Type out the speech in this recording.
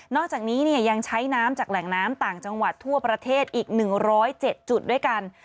อกจากนี้ยังใช้น้ำจากแหล่งน้ำต่างจังหวัดทั่วประเทศอีก๑๐๗จุดด้วยกัน